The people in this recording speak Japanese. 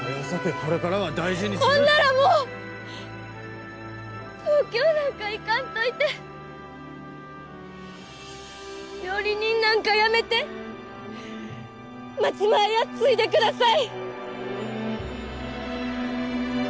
これからは大事にするほんならもう東京なんか行かんといて料理人なんかやめて松前屋継いでください！